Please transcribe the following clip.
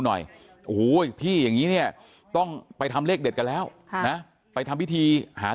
หน่อยโอ้โหพี่อย่างนี้เนี่ยต้องไปทำเลขเด็ดกันแล้วนะไปทำพิธีหา